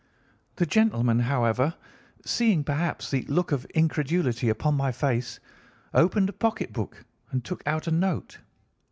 The gentleman, however, seeing perhaps the look of incredulity upon my face, opened a pocket book and took out a note.